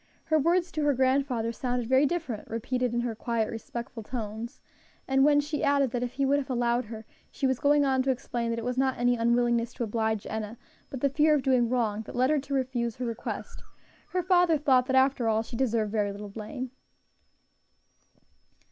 Her words to her grandfather sounded very different, repeated in her quiet, respectful tones; and when she added that if he would have allowed her, she was going on to explain that it was not any unwillingness to oblige Enna, but the fear of doing wrong, that led her to refuse her request, her father thought that after all she deserved very little blame.